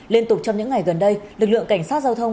liên tục trong những ngày gần đây lực lượng cảnh sát giao thông